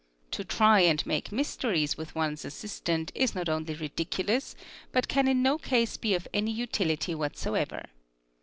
To try and make mysterie with one's assistant is not only ridiculous but can in no case be of ar utility whatsoever.